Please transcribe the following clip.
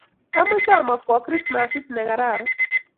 Ameche amekwok krismasit ne kararan